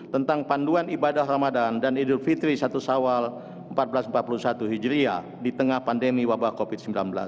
tentang panduan ibadah ramadan dan idul fitri satu sawal seribu empat ratus empat puluh satu hijriah di tengah pandemi wabah covid sembilan belas